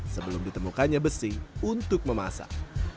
sebelum ditemukannya besi untuk memasak